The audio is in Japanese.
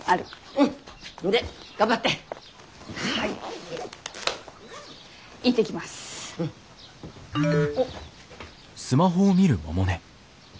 うん。おっ。